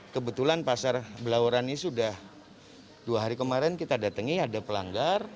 kebetulan pasar belauran ini sudah dua hari kemarin kita datangi ada pelanggar